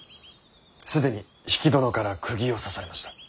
既に比企殿からくぎを刺されました。